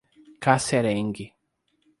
Casserengue